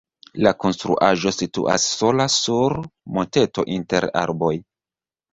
La konstruaĵo situas sola sur monteto inter arboj.